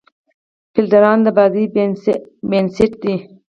فیلډران د بازۍ بېنسټ دي.